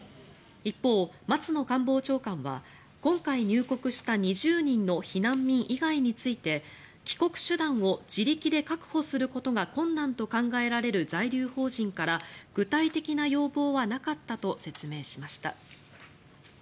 一方、松野官房長官は今回入国した２０人の避難民以外について帰国手段を自力で確保することが困難と考えられる在留邦人から具体的な要望はなかったと説明しました。